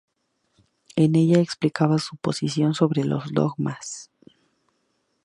En ella explicaba su posición sobre los dogmas.